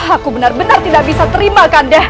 aku benar benar tidak bisa terima kanda